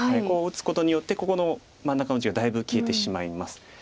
こう打つことによってここの真ん中の地がだいぶ消えてしまいます。